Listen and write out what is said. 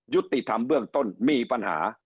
ยุติธรรมเบื้องต้นมีปัญหา